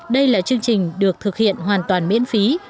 đây là chương trình được thực hiện hoàn toàn miễn phí